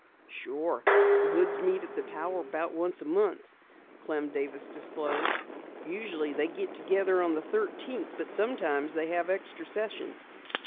"Sure, the Hoods meet at the Tower about once a month," Clem Davis disclosed. "Usually they get together on the thirteenth, but sometimes they have extra sessions.